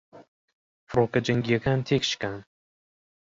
فڕۆکە جەنگیەکان تێکشکان